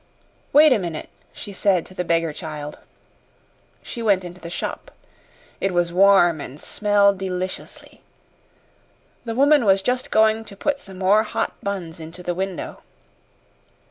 "Wait a minute," she said to the beggar child. She went into the shop. It was warm and smelled deliciously. The woman was just going to put some more hot buns into the window.